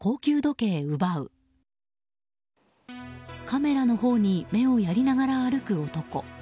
カメラのほうに目をやりながら歩く男。